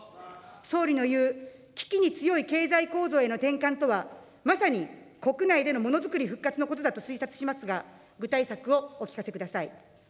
総理の言う危機に強い経済構造への転換とは、まさに国内でのものづくり復活のことだと推察しますが、具体策をお聞かせください。